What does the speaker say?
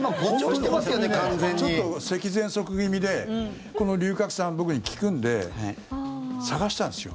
ちょっと咳ぜんそく気味でこの龍角散、僕に効くんで探したんですよ。